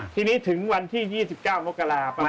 ทีนี้ถึงวันที่๒๙มกราคมประมาณ